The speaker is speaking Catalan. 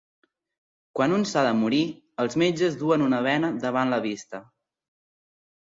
Quan un s'ha de morir, els metges duen una bena davant la vista.